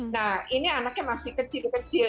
nah ini anaknya masih kecil kecil